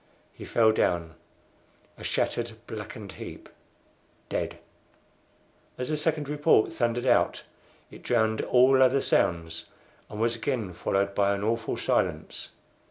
He fell down a shattered, blackened heap, dead. As the second report thundered out it drowned all other sounds, and was again followed by an awful silence.